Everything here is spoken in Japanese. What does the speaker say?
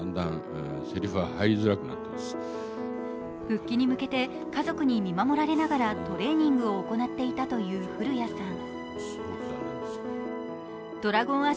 復帰に向けて家族に見守られながらトレーニングを行っていたという古谷さん。